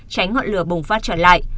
tránh ngọn lửa bùng phát trở lại